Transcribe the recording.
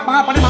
pada jadi kuyuk